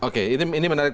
oke ini menarik